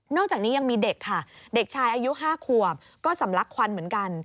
อกจากนี้ยังมีเด็กค่ะเด็กชายอายุ๕ขวบก็สำลักควันเหมือนกัน